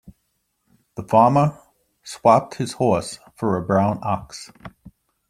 The farmer swapped his horse for a brown ox.